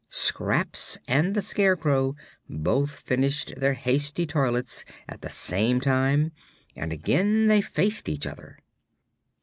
Scraps and the Scarecrow both finished their hasty toilets at the same time, and again they faced each other.